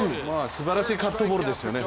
すばらしいカットボールですよね。